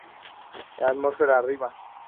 Atmósfera arriba.